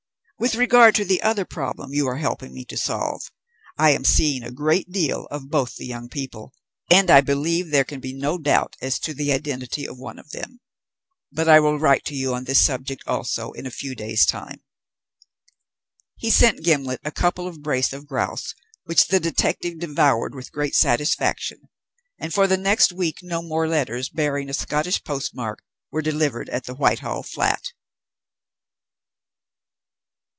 With regard to the other problem you are helping me to solve, I am seeing a great deal of both the young people, and I believe there can be no doubt as to the identity of one of them, but I will write to you on this subject also in a few days' time." He sent Gimblet a couple of brace of grouse, which the detective devoured with great satisfaction, and for the next week no more letters bearing a Scotch postmark were delivered at the Whitehall flat.